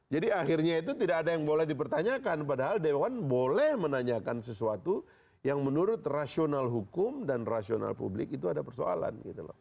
jadi akhirnya itu tidak ada yang boleh dipertanyakan padahal dewan boleh menanyakan sesuatu yang menurut rasional hukum dan rasional publik itu ada persoalan gitu loh